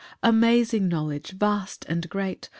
4 Amazing knowledge, vast and great!